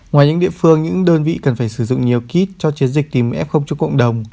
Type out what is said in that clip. ngoài những địa phương những đơn vị cần phải sử dụng nhiều kít cho chiến dịch tìm f cho cộng đồng